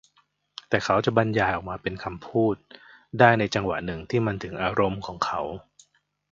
แต่เขาจะบรรยายออกมาเป็นคำพูดได้ในจังหวะหนึ่งที่มันถึงอารมณ์ของเขา